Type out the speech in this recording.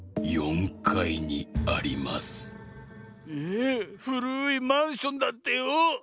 えふるいマンションだってよ。